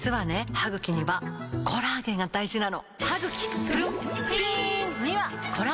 歯ぐきにはコラーゲンが大事なの！